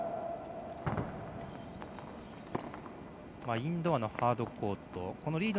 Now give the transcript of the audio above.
インドアのハードコート。